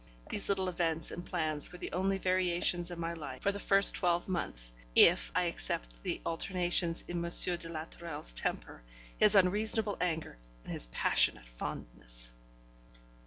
These little events and plans were the only variations in my life for the first twelve months, if I except the alternations in M. de la Tourelle's temper, his unreasonable anger, and his passionate fondness.